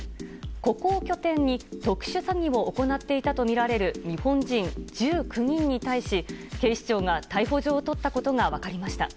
ここを拠点に特殊詐欺を行っていたとみられる日本人１９人に対し警視庁が逮捕状を取ったことが分かりました。